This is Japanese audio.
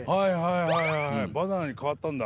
はいはいバナナに変わったんだ。